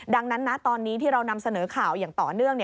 ดังนั้นนะตอนนี้ที่เรานำเสนอข่าวอย่างต่อเนื่อง